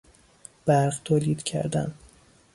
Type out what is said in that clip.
برق تولید کردن